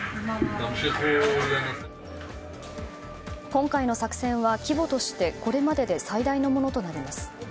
今回の作戦は、規模としてこれまでで最大のものとなります。